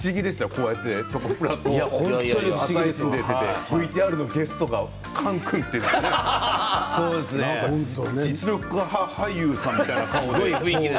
こうやってチョコプラと一緒に出ていてＶＴＲのゲストがパンサーの菅君って実力派俳優さんみたいな雰囲気で。